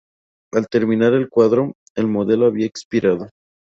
Al terminar el cuadro, el modelo había expirado.